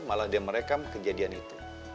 malah dia merekam kejadian itu